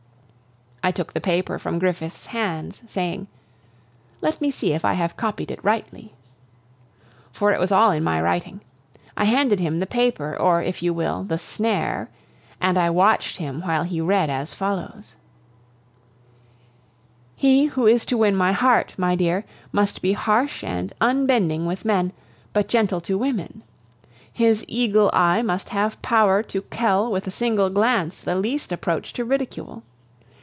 I took the paper from Griffith's hands, saying: "Let me see if I have copied it rightly." For it was all in my writing. I handed him the paper, or, if you will, the snare, and I watched him while he read as follows: "He who is to win my heart, my dear, must be harsh and unbending with men, but gentle with women. His eagle eye must have power to quell with a single glance the least approach to ridicule.